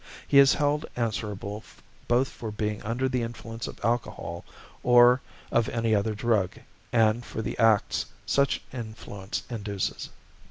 He is held answerable both for being under the influence of alcohol or of any other drug, and for the acts such influence induces.